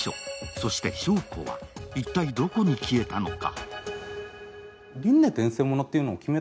そして祥子は一体、どこに消えたのか？